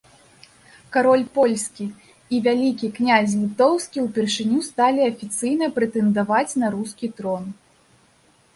Кароль польскі і вялікі князь літоўскі ўпершыню сталі афіцыйна прэтэндаваць на рускі трон.